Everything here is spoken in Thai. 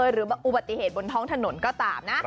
หรืออุบัติเหตุบนท้องถนนก็ตามนะ